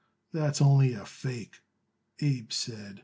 "That's only a fake," Abe said.